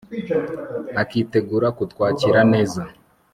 akitegura kutwakiraneza